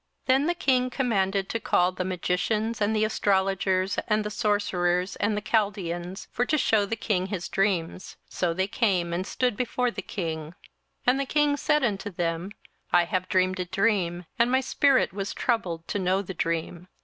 27:002:002 Then the king commanded to call the magicians, and the astrologers, and the sorcerers, and the Chaldeans, for to shew the king his dreams. So they came and stood before the king. 27:002:003 And the king said unto them, I have dreamed a dream, and my spirit was troubled to know the dream.